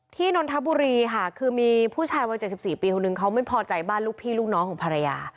นนทบุรีค่ะคือมีผู้ชายวัย๗๔ปีคนนึงเขาไม่พอใจบ้านลูกพี่ลูกน้องของภรรยา